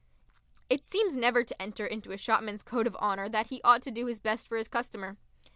It seems never to enter into a shopman's code of honour that he ought to do his best for his customer.